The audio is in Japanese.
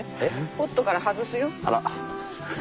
ポットから外すよ。